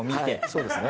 そうですね。